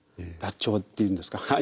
脱腸っていうんですか